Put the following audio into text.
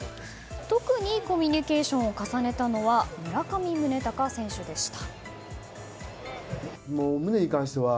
特にコミュニケーションを重ねたのは村上宗隆選手でした。